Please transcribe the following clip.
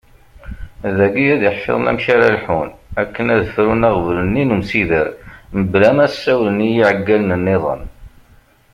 Dagi, ad iḥfiḍen amek ara lḥun akken ad ffrun aɣbel-nni n umsider mebla ma ssawlen i yiɛeggalen nniḍen.